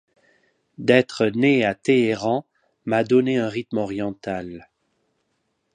D'être née à Téhéran m'a donné un rythme oriental.